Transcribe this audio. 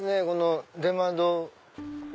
この出窓。